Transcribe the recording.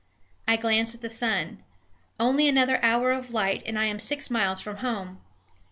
I glance at the sun; only another hour of light, and I am six miles from home.